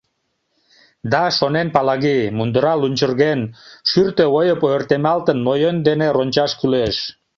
— Да, — шонен Палаги, — мундыра лунчырген, шӱртӧ ойып ойыртемалтын, но йӧн дене рончаш кӱлеш...